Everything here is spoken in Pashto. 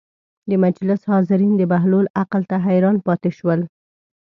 د مجلس حاضرین د بهلول عقل ته حیران پاتې شول.